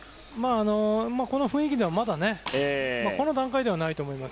この雰囲気ではまだこの段階ではないと思います。